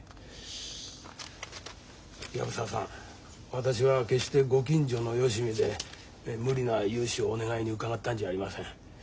私は決してご近所のよしみで無理な融資をお願いに伺ったんじゃありません。